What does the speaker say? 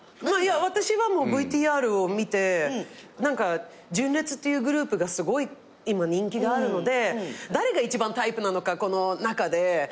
私はＶＴＲを見て純烈っていうグループがすごい今人気があるので誰が一番タイプなのかこの中で。